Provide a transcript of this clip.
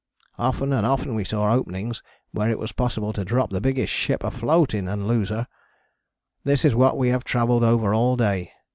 Often and often we saw openings where it was possible to drop the biggest ship afloat in and loose her. This is what we have travelled over all day.